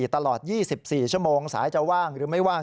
ตลอด๒๔ชั่วโมงสายจะว่างหรือไม่ว่าง